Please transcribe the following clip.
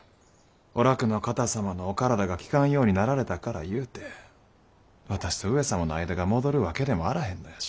お楽の方様のお体が利かんようになられたからいうて私と上様の間が戻るわけでもあらへんのやし。